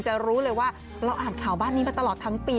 รู้เลยว่าเราอ่านข่าวบ้านนี้มาตลอดทั้งปี